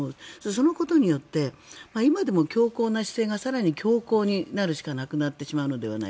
そのことによって今でも強硬な姿勢が更に強硬になるしかなくなるのではと。